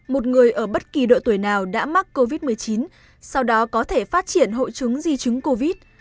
một người ở bất kỳ độ tuổi nào đã mắc covid một mươi chín sau đó có thể phát triển hội chứng di chứng covid